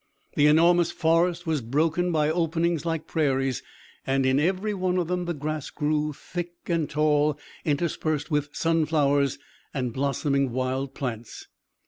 The enormous forest was broken by openings like prairies, and in every one of them the grass grew thick and tall, interspersed with sunflowers and blossoming wild plants.